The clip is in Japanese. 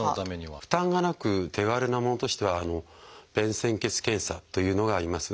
負担がなく手軽なものとしては「便潜血検査」というのがあります。